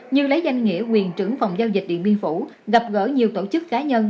như lấy danh nghĩa quyền trưởng phòng giao dịch điện biên phủ gặp gỡ nhiều tổ chức cá nhân